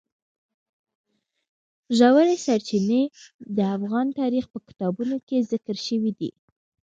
ژورې سرچینې د افغان تاریخ په کتابونو کې ذکر شوی دي.